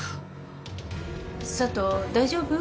佐都大丈夫？